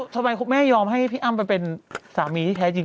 ทำไมคุณแม่ยอมให้พี่อ้ำไปเป็นสามีที่แท้จริง